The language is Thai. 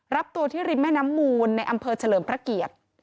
รับตัวที่ริมแม่น้ำมูลในอำเภอเฉลิมพระเกียรติ